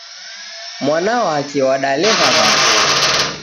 Mwana wake wadalegha w'andu